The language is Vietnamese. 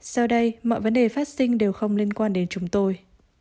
sau đây mọi vấn đề phát sinh đều không liên quan đến chúng tôi